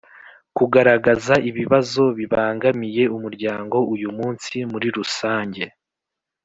Kugaragaza ibibazo bibangamiye umuryango uyu munsi muri rusange